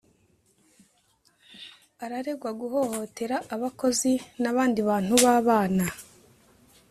Araregwa guhohotera abakozi n’ abandi bantu babana